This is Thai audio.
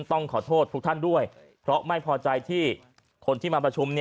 ต้องขอโทษทุกท่านด้วยเพราะไม่พอใจที่คนที่มาประชุม